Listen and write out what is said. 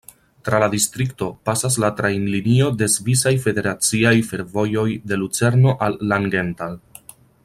Tra la distrikto pasas la trajnlinio de Svisaj Federaciaj Fervojoj de Lucerno al Langenthal.